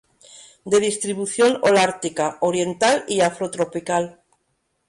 De distribución holártica, oriental y afrotropical.